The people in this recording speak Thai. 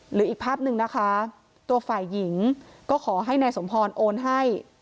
อีกภาพหนึ่งนะคะตัวฝ่ายหญิงก็ขอให้นายสมพรโอนให้